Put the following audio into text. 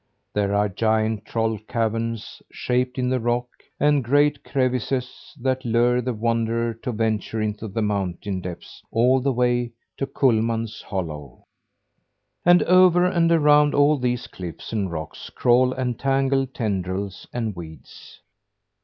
There are giant troll caverns shaped in the rock, and great crevices that lure the wanderer to venture into the mountain's depths all the way to Kullman's Hollow. And over and around all these cliffs and rocks crawl entangled tendrils and weeds.